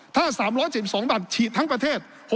ถ้า๓๗๒บาทฉีดทั้งประเทศ